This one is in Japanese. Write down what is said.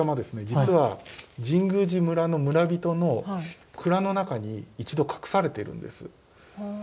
実は神宮寺村の村人の蔵の中に一度隠されているんです。